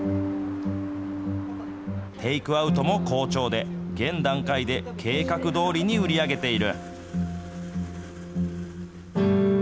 テイクアウトも好調で、現段階で計画どおりに売り上げている。